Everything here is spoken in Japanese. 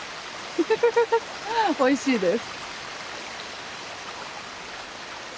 フフフフフおいしいです。